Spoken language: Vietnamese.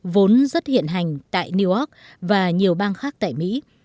vốn rất hiện hành tại newark và nhiều bang khác tại mỹ